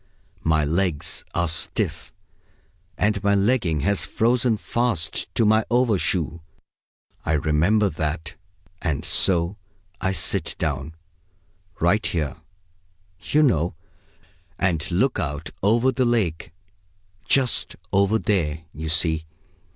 My legs are stiff, and my legging has frozen fast to my overshoe; I remember that. And so I sit down right here, you know and look out over the lake just over there, you see.